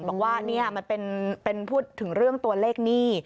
บอกว่านี่มันเป็นพูดถึงเรื่องตัวเลขหนี้